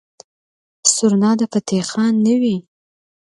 سورنا د فتح خان نه وي.